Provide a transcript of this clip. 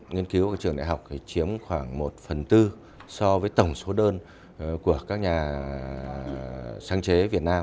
nghiên cứu của trường đại học chiếm khoảng một phần tư so với tổng số đơn của các nhà sáng chế việt nam